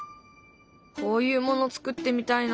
こういうもの作ってみたいな。